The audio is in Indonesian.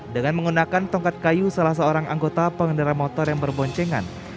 dengan menggunakan tongkat kayu salah seorang anggota pengendara motor yang berboncengan